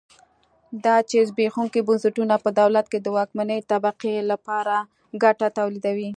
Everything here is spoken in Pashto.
دا چې زبېښونکي بنسټونه په دولت کې د واکمنې طبقې لپاره ګټه تولیدوي.